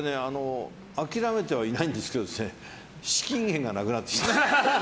諦めてはいないんですけど資金源がなくなってきた。